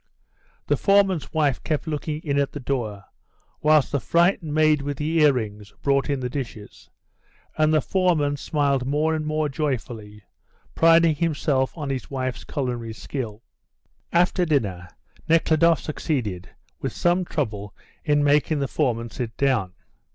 The foreman's wife kept looking in at the door, whilst the frightened maid with the earrings brought in the dishes; and the foreman smiled more and more joyfully, priding himself on his wife's culinary skill. After dinner, Nekhludoff succeeded, with some trouble, in making the foreman sit down.